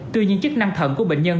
tuy nhiên chức năng thận của bệnh nhân